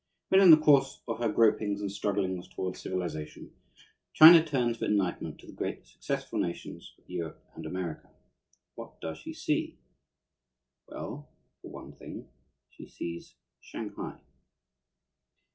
When, in the course of her gropings and strugglings towards civilization, China turns for enlightenment to the great, successful nations of Europe and America, what does she see? Well, for one thing, she sees Shanghai.